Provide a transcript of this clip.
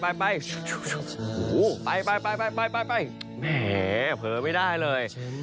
ไปไปแหมเผลอไม่ได้เลย